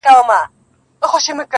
قومندان سره خبري کوي او څه پوښتني کوي